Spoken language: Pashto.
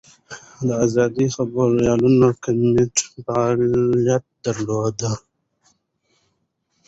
د ازادو خبریالانو کمېټه فعالیت درلود.